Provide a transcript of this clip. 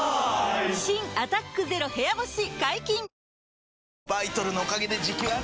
新「アタックＺＥＲＯ部屋干し」解禁‼